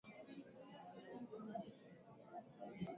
Takribani watu elfu ishirini na nane hufariki kila mwaka